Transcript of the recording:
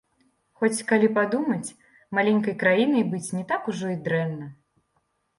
Хоць, калі падумаць, маленькай краінай быць не так ужо і дрэнна.